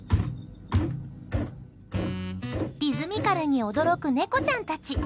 リズミカルに驚く猫ちゃんたち。